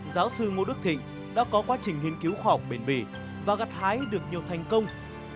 giáo sư ngô đức thịnh đã có quá trình nghiên cứu khoa học bền bỉ và gặt hái được nhiều thành công